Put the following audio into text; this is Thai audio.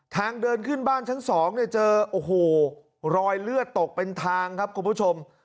ทางเดินขึ้นบ้านชั้น๒เนี่ยเจอโอ้โหรอยเลือดตกเป็นทางครับคุณผู้ชม